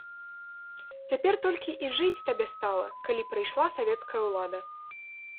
Цяпер толькі і жыць табе стала, калі прыйшла савецкая ўлада.